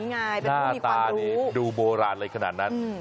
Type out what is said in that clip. เป็นผู้มีความรู้หน้าตาดูโบราณอะไรขนาดนั้น